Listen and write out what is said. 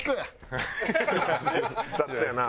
雑やな。